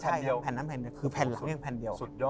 ใช่ภรรณานั้นแผ่นเดียว